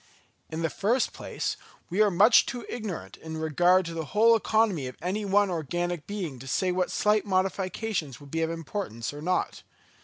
In the first place, we are much too ignorant in regard to the whole economy of any one organic being to say what slight modifications would be of importance or not.